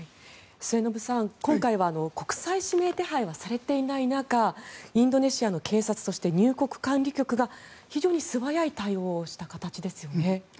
末延さん、今回は国際指名手配はされてない中インドネシアの警察そして入国管理局が非常に素早い対応をした形ですよね。